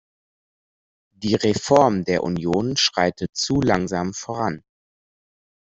Die Reform der Union schreitet zu langsam voran.